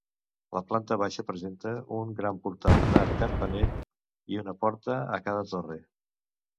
La planta baixa presenta un gran portal d'arc carpanell i una porta a cada torre.